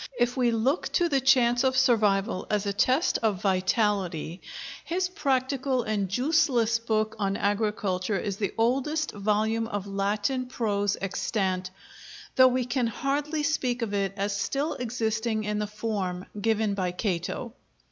If we look to the chance of survival as a test of vitality, his practical and juiceless book on Agriculture is the oldest volume of Latin prose extant; though we can hardly speak of it as still existing in the form given it by Cato.